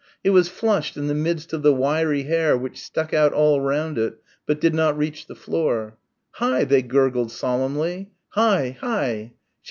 It was flushed in the midst of the wiry hair which stuck out all round it but did not reach the floor. "Hi!" they gurgled solemnly, "Hi.... Hi!"